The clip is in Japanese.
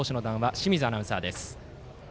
清水アナウンサーです。